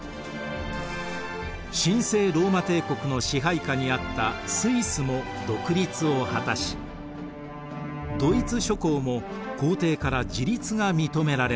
神聖ローマ帝国の支配下にあったスイスも独立を果たしドイツ諸侯も皇帝から自立が認められました。